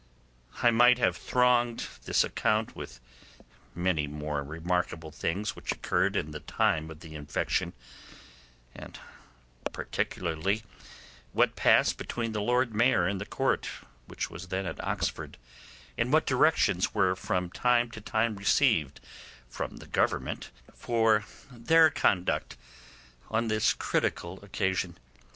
I might have thronged this account with many more remarkable things which occurred in the time of the infection, and particularly what passed between the Lord Mayor and the Court, which was then at Oxford, and what directions were from time to time received from the Government for their conduct on this critical occasion.